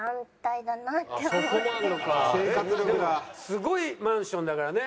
すごいマンションだからね。